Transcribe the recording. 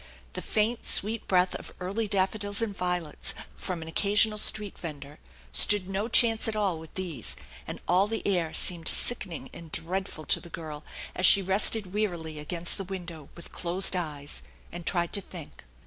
The faint sweet breath of early daffodils and violets from an occasional street vendor stood no chance at all with these, and all the air seemed sickening and dreadful to the girl as she rested wearily against the window with closed eyes, and tried to think.